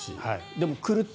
でも来るって